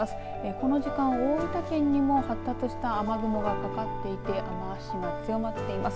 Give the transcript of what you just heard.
この時間、大分県にも発達した雨雲がかかっていて雨足が強まっています。